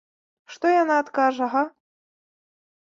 Што яна адкажа, га?